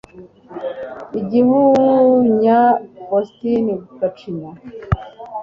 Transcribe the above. Igihunya Faustini Gacinya